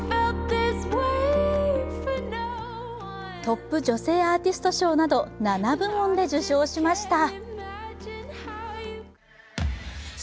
トップ女性アーティスト賞など７部門で受賞しました。